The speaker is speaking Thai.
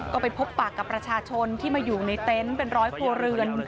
ก็ไปพบปากกับประชาชนที่มาอยู่ในเต็นต์เป็นร้อยครัวเรือน